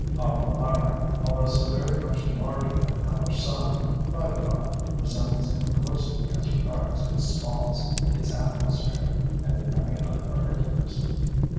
Alpha Lyrae, although so very much larger than our sun, by the by, resembles him closely as regards its spots, its atmosphere, and in many other particulars.